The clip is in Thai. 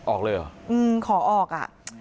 ออกเลยเหรออืมขอออกอ่ะ